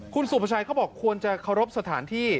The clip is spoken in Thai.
คุณสุภาชัยเขาบอกควรจะเคารพสถานที่